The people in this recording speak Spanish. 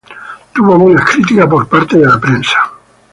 Tuvo buenas críticas por parte de la prensa.